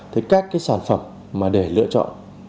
thế các cái sản phẩm mà để lựa chọn